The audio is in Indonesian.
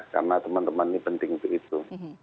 karena teman teman ini penting begitu